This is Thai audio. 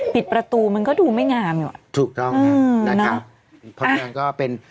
ปิดประตูมันก็ดูไม่งามอยู่ถูกต้องอืมนะครับเพราะเรื่องก็เป็น